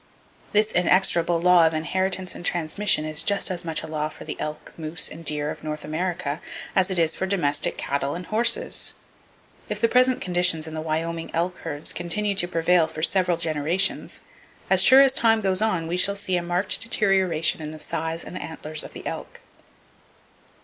This inexorable law of inheritance and transmission is just as much a law for the elk, moose and deer of North America as it is for domestic cattle and horses. If the present conditions in the Wyoming elk herds continue to prevail for several generations, as sure as time goes on we shall see a marked deterioration in the size and antlers of the elk.